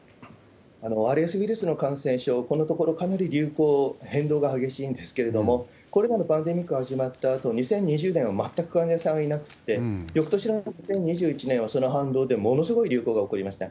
ＲＳウイルスの感染症、このところかなり流行、変動が激しいんですけれども、これらのパンデミックが始まったあと、２０２０年は全く患者さんがいなくて、よくとしの２１年はその反動でものすごい流行が起こりました。